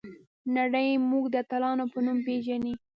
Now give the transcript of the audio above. نړۍ موږ د اتلانو په نوم پیژني.